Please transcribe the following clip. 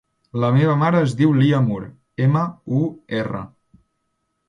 La meva mare es diu Lia Mur: ema, u, erra.